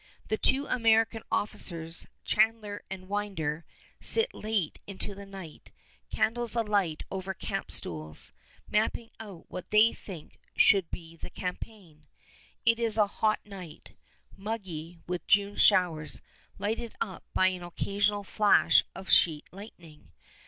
The two American officers, Chandler and Winder, sit late into the night, candles alight over camp stools, mapping out what they think should be the campaign. It is a hot night, muggy, with June showers lighted up by an occasional flash of sheet lightning.